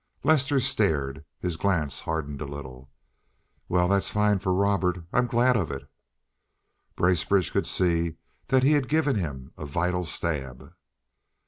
Lester stared. His glance hardened a little. "Well, that's fine for Robert. I'm glad of it." Bracebridge could see that he had given him a vital stab.